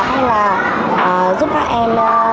hay là giúp các em